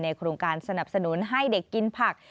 โครงการสนับสนุนให้เด็กกินผัก